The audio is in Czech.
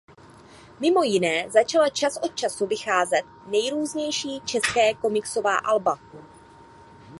Mimo jiné začala čas od času vycházet nejrůznější české komiksová alba.